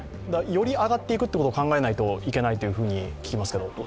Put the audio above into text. より上がっていくことを考えないといけないと聞きますけれども。